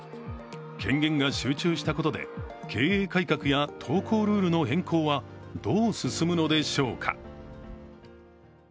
権限が集中したことで、経営改革や投稿ルールの変更はどう進むのでしょうか。